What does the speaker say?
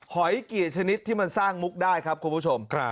หอยกี่ชนิดที่มันสร้างมุกได้ครับคุณผู้ชม